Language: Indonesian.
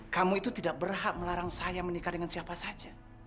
kamu itu tidak berhak melarang saya menikah dengan siapa saja